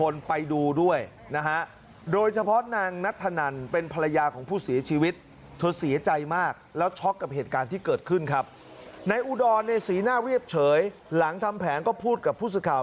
นายอุดรในสีหน้าเรียบเฉยหลังทำแผนก็พูดกับผู้สื่อข่าว